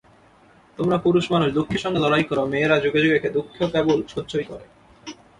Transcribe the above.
তোমরা পুরুষমানুষ দুঃখের সঙ্গে লড়াই কর, মেয়েরা যুগে যুগে দুঃখ কেবল সহ্যই করে।